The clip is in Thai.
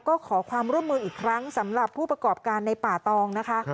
ก็ขอความร่วมมืออีกครั้งสำหรับผู้ประกอบการในป่าตองนะคะ